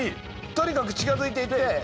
とにかく近づいていって。